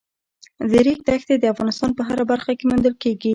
د ریګ دښتې د افغانستان په هره برخه کې موندل کېږي.